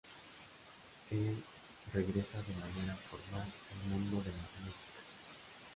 Él regresa de manera formal al mundo de la música.